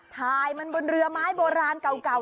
ถ่ายมันบนเรือไม้โบราณเก่า